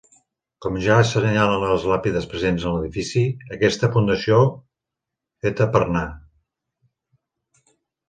Com ja assenyalen les làpides presents en l'edifici, aquesta fundació feta per Na.